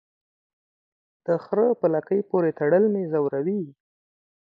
د خره په لکۍ پوري تړل مې زوروي.